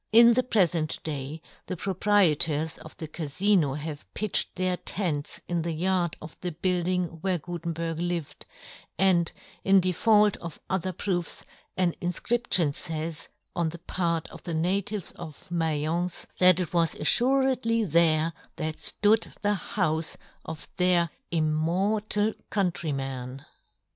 In the prefent day the proprietors of the Cafino have pitched their tents in the yard of the building where Gutenberg lived, and, in default of other proofs, an infcription fays, on the part of the natives of Maience, that it was affuredly there that ftood the houfe of their immortal countryman.